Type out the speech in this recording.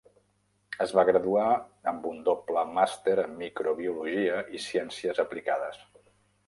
Es va graduar amb un doble màster en microbiologia i ciències aplicades.